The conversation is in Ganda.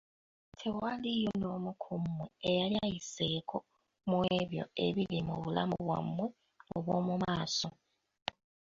Tewaliiwo n'omu ku mmwe eyali ayiseeko mu ebyo ebiri mu bulamu bwammwe obw'omu maaso.